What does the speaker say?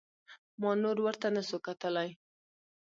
ما نور ورته نسو کتلاى.